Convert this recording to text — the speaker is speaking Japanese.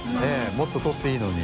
もっと取っていいのに。